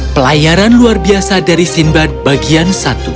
pelayaran luar biasa dari sinbad bagian satu